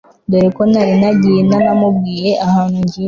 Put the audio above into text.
dore ko nari nagiye ntanamubwiye ahantu ngiye